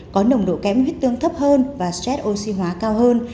có nồng độ kém huyết tương thấp hơn và stress oxy hóa cao hơn